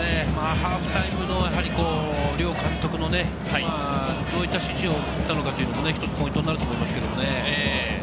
ハーフタイムの両監督のどういった指示を送ったのかというのも、一つポイントになると思いますけどね。